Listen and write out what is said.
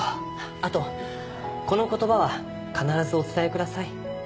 あとこの言葉は必ずお伝えください。